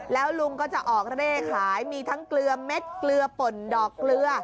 แล้วลุงก็จะออกเร่ขายมีทั้งเกลือเม็ดเกลือป่นดอกเกลือ